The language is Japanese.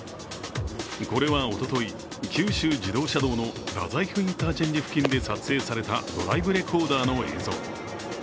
これはおととい、九州自動車道の太宰府インターチェンジ付近で撮影されたドライブレコーダーの映像。